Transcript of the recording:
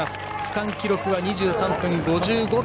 区間記録は２３分５５秒。